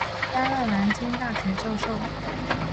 担任南京大学教授。